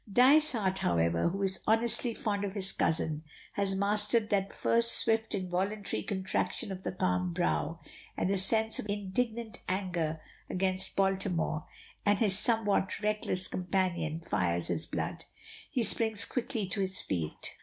Dysart, however, who is honestly fond of his cousin, has mastered that first swift involuntary contraction of the calm brow, and a sense of indignant anger against Baltimore and his somewhat reckless companion fires his blood. He springs quickly to his feet.